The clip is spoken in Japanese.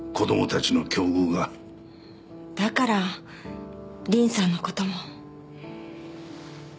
だから凛さんの事も。